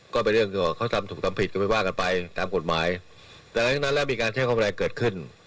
ก็เป็นเรื่องเกี่ยวกับเขาทำถูกทำผิดก็ไม่ว่ากันไปตามกฎหมายดังนั้นแล้วมีการใช้ความรุนแรงเกิดขึ้น